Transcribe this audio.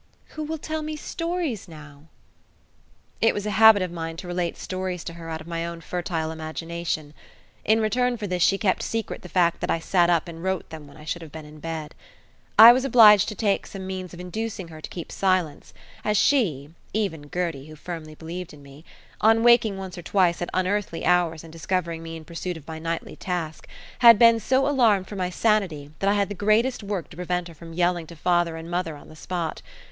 "Who will tell me stories now?" It was a habit of mine to relate stories to her out of my own fertile imagination. In return for this she kept secret the fact that I sat up and wrote when I should have been in bed. I was obliged to take some means of inducing her to keep silence, as she even Gertie, who firmly believed in me on waking once or twice at unearthly hours and discovering me in pursuit of my nightly task, had been so alarmed for my sanity that I had the greatest work to prevent her from yelling to father and mother on the spot.